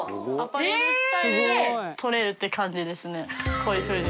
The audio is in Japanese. こういうふうに。